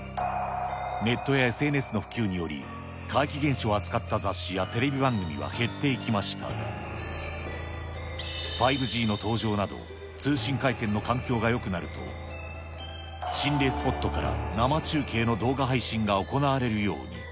ネットやＳＮＳの普及により、怪奇現象を扱った雑誌や、テレビ番組は減っていきましたが、５Ｇの登場など、通信回線の環境がよくなると、心霊スポットから生中継の動画配信が行われるように。